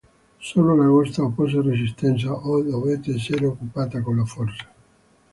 Solo Lagosta oppose resistenza e dovette essere occupata con la forza.